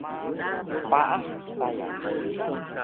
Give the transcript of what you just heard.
Paah sayang